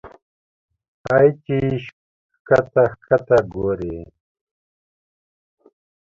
اې چې ښکته ښکته ګورې